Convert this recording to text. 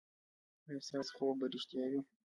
ایا ستاسو خوب به ریښتیا وي؟